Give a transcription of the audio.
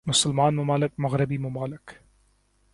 مسلمان ممالک مغربی ممالک